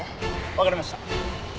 わかりました。